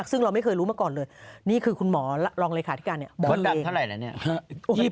ซึ่งเราไม่เคยรู้มาก่อนเลยคุณหมอลองเลย